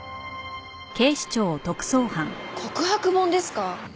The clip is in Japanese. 告白本ですか？